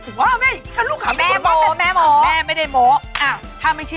คุณแม่ก็จะไปเดินตามหาตลาดง่ายเนี่ย